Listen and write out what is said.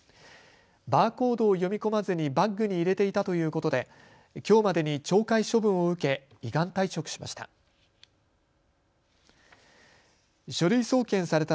バーコードを読み込まずにバッグに入れていたということできょうまでに懲戒処分を受け依願退職しました。